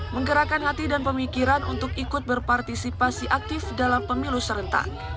menggerakkan hati dan pemikiran untuk ikut berpartisipasi aktif dalam pemilu serentak